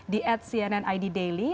di at cnn id daily